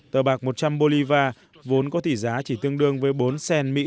tờ bạc một trăm linh bolivar vốn có tỷ giá chỉ tương đương với bốn cent